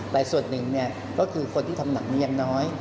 แต่ส่วนหนึ่งก็คือคนที่ทำหนังอย่างน้อย